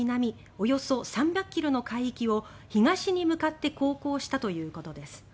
およそ３００ｋｍの海域を東に向かって航行したということです。